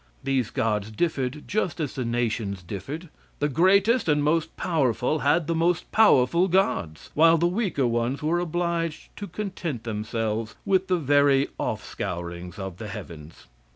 These gods differed just as the nations differed; the greatest and most powerful had the most powerful gods, while the weaker ones were obliged to content themselves with the very off scourings of the heavens.